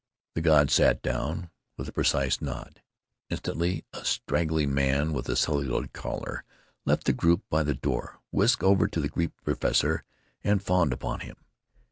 The god sat down, with a precise nod. Instantly a straggly man with a celluloid collar left the group by the door, whisked over to the Greek professor, and fawned upon him.